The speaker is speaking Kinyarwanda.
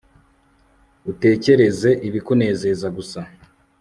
utekereze ibikunezeza gusa